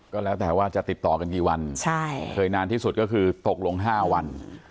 ก็แล้วแต่ว่าจะติดต่อกันกี่วันเคยนานที่สุดก็คือตกลง๕วัน